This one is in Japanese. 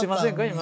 今。